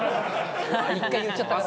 １回言っちゃったから。